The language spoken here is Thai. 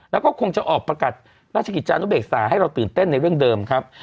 แล้วก็คงจะออกประกาศราชกิจจานุเบกษาให้เราตื่นเต้นในเรื่องเดิมครับ